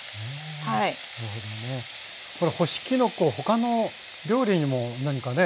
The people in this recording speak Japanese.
これ干しきのこ他の料理にも何かね